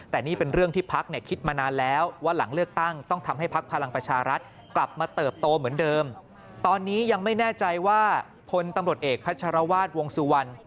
ตอนนี้ยังไม่แน่ใจว่าคนตำรวจเอกพัชรวาสวงศ์สุวรรณ